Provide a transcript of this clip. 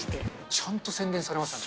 ちゃんと宣伝されましたね。